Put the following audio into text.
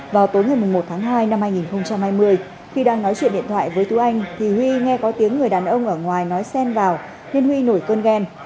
vào tối ngày một tháng hai năm hai nghìn hai mươi khi đang nói chuyện điện thoại với tú anh thì huy nghe có tiếng người đàn ông ở ngoài nói xen vào nên huy nổi cơn ghen